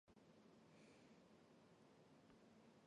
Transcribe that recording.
性交时套在龟头的状沟上或阴茎根部。